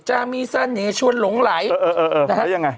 จ้ามีเส้นเนชวนหลงไหลเออแล้วยังไง